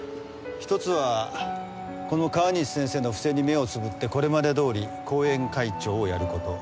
１つはこの川西先生の不正に目をつぶってこれまでどおり後援会長をやる事。